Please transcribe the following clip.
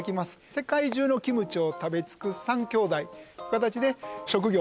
世界中のキムチを食べ尽くす三兄弟かたちで職業